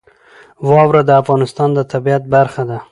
واوره د افغانستان د طبیعت برخه ده.